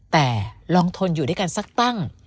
แต่ลองทนอยู่ด้วยกันสักตั้ง